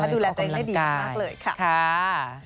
ดูแลตัวเองได้ดีมากเลยค่ะขอบคำลังกายค่ะ